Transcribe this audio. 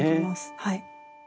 はい。